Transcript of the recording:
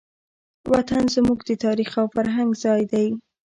وطن زموږ د تاریخ او فرهنګ ځای دی.